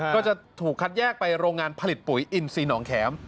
ก็จะถูกคัดแยกไปโรงงานผลิตปุ๋ยอินซีหนองแข็ม